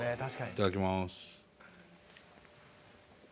いただきます。